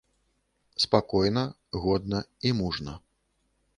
Спакойна, годна і мужна.